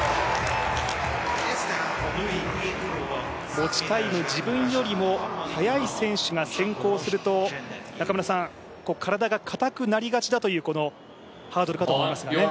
持ちタイム、自分よりも速い選手が先行すると、体が硬くなりがちだというハードルかと思いますが。